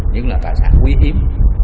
những là tài sản quý hiếm